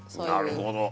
なるほど。